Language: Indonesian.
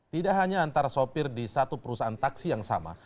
tidak hanya antara sopir di satu perusahaan taksi yang sama